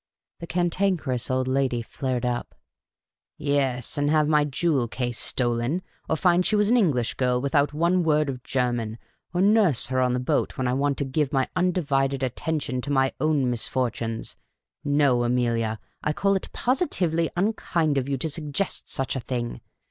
The Cantankerous Old Lady flared up. " Yes, and have ray jewel case stolen ! Or find she was an English girl with out one word of German. Or nurse her on the boat when I want to give my undivided attention to my own misfortunes. No, Amelia, I call it positively unkind of you to suggest such a thing.